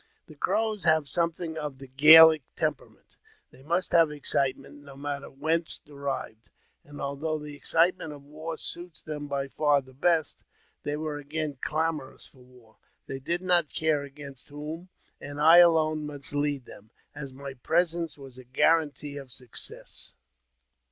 The Crows have something of the Gallic temperament : they must have excitement, no matter whence derived, although the excitement of war suits them by far the best. They were again clamorous for war, they did not care against whom, and I alone must lead them, as my presence was a guarantee of success.